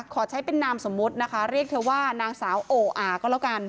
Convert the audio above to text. ขอใช้เป็นนามสมมุตินะคะเรียกเธอว่านางสาวโออาก็แล้วกัน